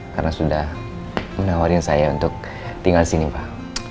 karena sudah menawarin saya untuk tinggal sini pak